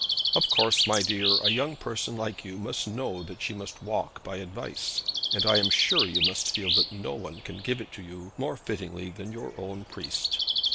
'Of course, my dear, a young person like you must know that she must walk by advice, and I am sure you must feel that no one can give it you more fittingly than your own priest.'